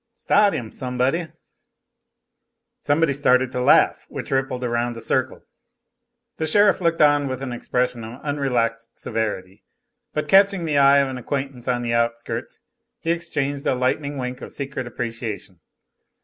"Staht 'im, somebody." Somebody started a laugh, which rippled around the circle. The sheriff looked on with an expression of unrelaxed severity, but catching the eye of an acquaintance on the outskirts, he exchanged a lightning wink of secret appreciation.